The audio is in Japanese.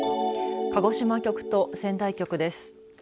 鹿児島局と仙台局です。